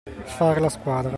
Fare la quadra.